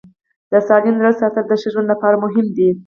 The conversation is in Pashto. د زړه سالم ساتل د ښه ژوند لپاره مهم دي.